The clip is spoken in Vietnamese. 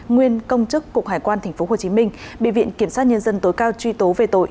nguyên công chức cục hải quan tp hcm bị viện kiểm sát nhân dân tối cao truy tố về tội